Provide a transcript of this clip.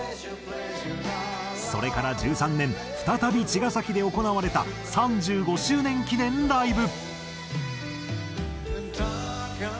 それから１３年再び茅ヶ崎で行われた３５周年記念ライブ。